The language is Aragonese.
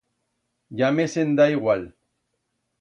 Ya me se'n da igual.